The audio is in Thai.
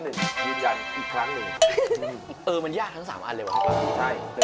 เออมันยากทั้ง๓อันเลยปะ